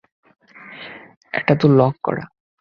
এটা তো লক করা।